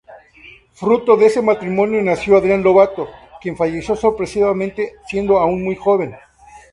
Fruto de ese matrimonio nació Adrián Lobato, quien falleció sorpresivamente siendo aún muy joven.